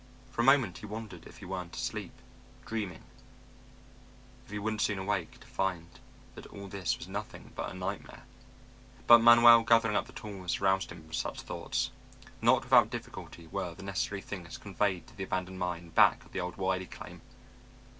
For a moment he wondered if he weren't asleep, dreaming; if he wouldn't soon awake to find that all this was nothing but a nightmare. But Manuel gathering up the tools aroused him from such thoughts. Not without difficulty were the necessary things conveyed to the abandoned mine back of the old Wiley claim.